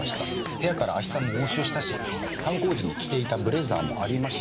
部屋から亜ヒ酸も押収したし犯行時に着ていたブレザーもありました。